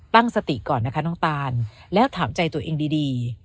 ตั้งสติก่อนนะคะน้องตานแล้วถามใจตัวเองดี